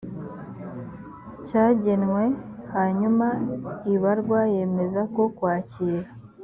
cyagenwe hanyuma ibarwa yemeza ko kwakira